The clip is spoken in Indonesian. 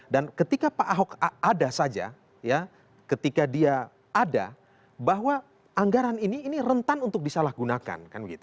dan ketika pak ahok ada saja ketika dia ada bahwa anggaran ini rentan untuk disalahgunakan